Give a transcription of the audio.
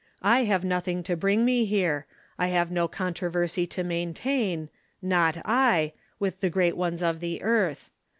I have nothing to bring me here. I have no controversy to maintain — not I — with the great ones of the earth.